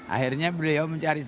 akhirnya beliau mencari saya